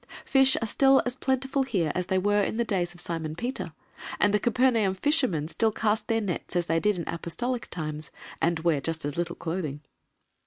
Fish are still as plentiful here as they were in the days of Simon Peter, and the Capernaum fishermen still cast their nets as they did in apostolic times, and wear just as little clothing.